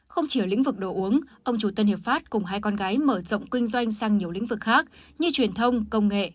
không chỉ ở lĩnh vực đồ uống ông chú tân hiệp pháp cùng hai con gái mở rộng kinh doanh sang nhiều lĩnh vực khác như truyền thông công nghệ